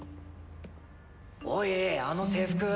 おいあの制服。